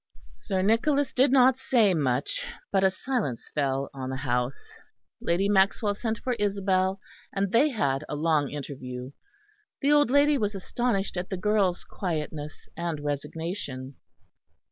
Sir Nicholas did not say much; but a silence fell on the house. Lady Maxwell sent for Isabel, and they had a long interview. The old lady was astonished at the girl's quietness and resignation.